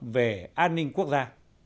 về an ninh quốc gia